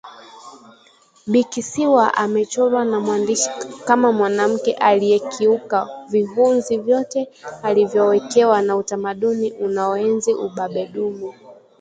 Bikisiwa amechorwa na mwandishi kama mwanamke aliyekiuka vihunzi vyote alivyowekewa na utamaduni unaoenzi ubabe dume